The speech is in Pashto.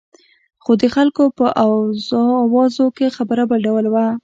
خو د خلکو په اوازو کې خبره بل ډول وه.